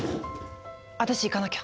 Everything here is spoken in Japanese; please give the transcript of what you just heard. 私行かなきゃ！